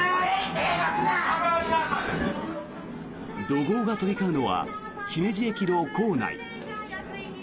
怒号が飛び交うのは姫路駅の構内。